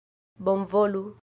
bonvolu